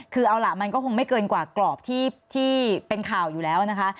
คือเอาล่ะมันก็คงไม่เกินกว่ากรอบที่เป็นข่าวอยู่แล้วนะคะ